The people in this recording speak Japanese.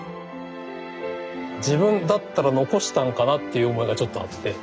自分だったら残したんかなっていう思いがちょっとあって。